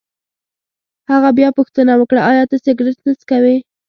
هغه بیا پوښتنه وکړه: ایا ته سګرېټ نه څکوې؟